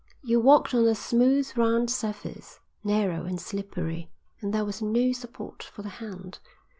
You walked on a smooth, round surface, narrow and slippery, and there was no support for the hand.